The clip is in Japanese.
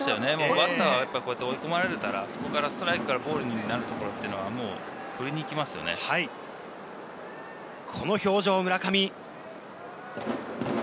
バッターは追い込まれるから、ストライクからボールになるとここの表情、村上。